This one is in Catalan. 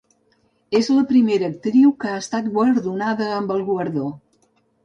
És la primera actriu que ha estat guardonada amb el guardó.